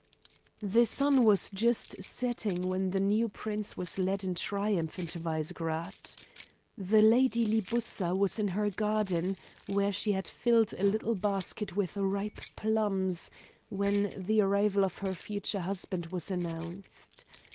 The sun was just setting when the new prince was led in triumph into Vizegrad. The Lady Libussa was in her garden, where she had filled a little basket with ripe plums, when the arrival of her future husband was announced.